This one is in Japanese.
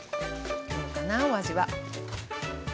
どうかなお味は？